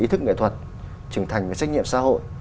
ý thức nghệ thuật trưởng thành về trách nhiệm xã hội